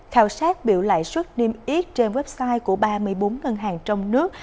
khảo sát biểu lại xuất niêm yết trên website của ba mươi bốn ngân hàng trong nước